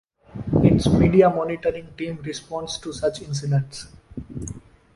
Its Media Monitoring Team responds to such incidents.